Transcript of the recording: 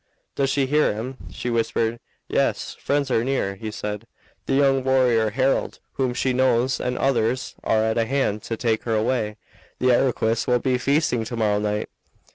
Does she hear him?' She whispered, 'Yes.' 'Friends are near,' he said. 'The young warrior Harold, whom she knows, and others, are at hand to take her away. The Iroquois will be feasting to morrow night.